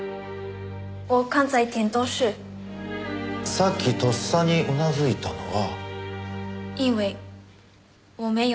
さっきとっさに頷いたのは。